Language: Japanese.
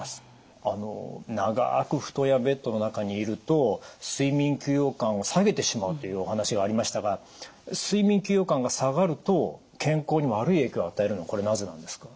あの長く布団やベッドの中にいると睡眠休養感を下げてしまうというお話がありましたが睡眠休養感が下がると健康に悪い影響を与えるのはこれなぜなんですか？